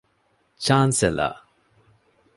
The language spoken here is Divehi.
ޗާންސެލަރ